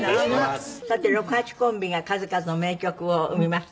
さて六八コンビが数々の名曲を生みました。